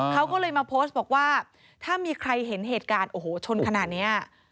เขาก็เลยมาโพสต์บอกว่าถ้ามีใครเห็นเหตุการณ์โอ้โหชนขนาดนี้